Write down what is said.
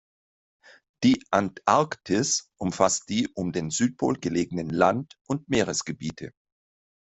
Die Antarktis umfasst die um den Südpol gelegenen Land- und Meeresgebiete.